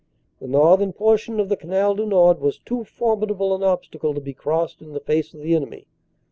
The northern portion of the Canal du Nord was too formidable an obstacle to be crossed in the face of the enemy.